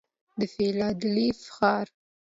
فیلادلفیا ښار